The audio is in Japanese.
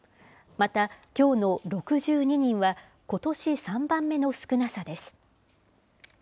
また、きょうの６２人は、ことし３番目の少なさです。